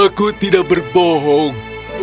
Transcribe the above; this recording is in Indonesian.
aku tidak berbohong